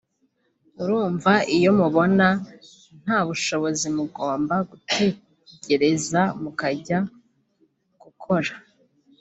urumva iyo mubonye ntabushobozi mugomba gutegereza mukajya gukora